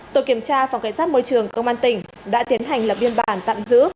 tổ kiểm tra phòng kiểm soát môi trường công an tỉnh đã tiến hành lập biên bản tạm giữ